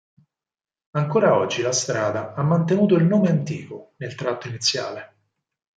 Ancora oggi la strada ha mantenuto il nome antico, nel tratto iniziale.